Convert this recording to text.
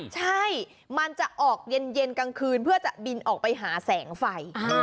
ใช่มันจะออกเย็นกลางคืนเพื่อจะบินออกไปหาแสงไฟ